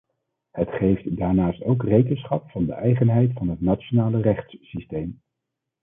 Het geeft daarnaast ook rekenschap van de eigenheid van het nationale rechtssysteem.